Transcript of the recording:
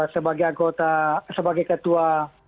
sebagai anggota sebagai ketua